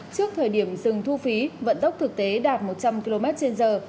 trước thời điểm dừng thu phí vận tốc thực tế đạt một trăm linh km trên giờ